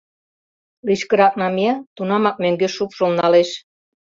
Лишкырак намия — тунамак мӧҥгеш шупшыл налеш.